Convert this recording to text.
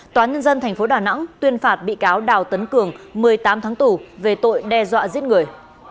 tòa nhân dân tp đà nẵng tuyên phạt bị cáo đào tấn cường một mươi tám tháng tù về tội đe dọa giết người